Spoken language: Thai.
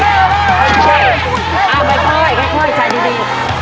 เอาก็ท่อยจ่ายดี